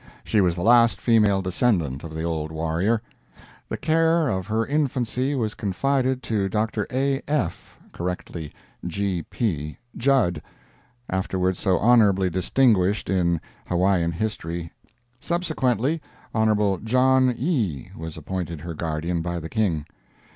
She was the last female descendant of the old warrior. The care of her infancy was confided to Dr. A. F. [correctly G. P.] Judd (afterward so honorably distinguished in Hawaiian history). Subsequently Hon. John Ii was appointed her guardian by the King.